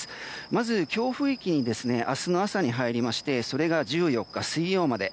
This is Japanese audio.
まず、強風域に明日の朝に入りましてそれが１４日、水曜まで。